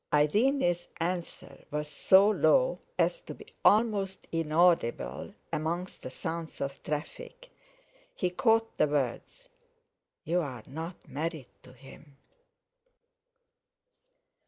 Irene's answer was so low as to be almost inaudible among the sounds of traffic. He caught the words: "You are not married to him!"